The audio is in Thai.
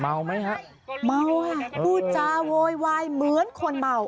ไหมฮะเมาค่ะพูดจาโวยวายเหมือนคนเมา